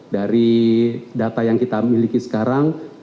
dari data yang kita miliki sekarang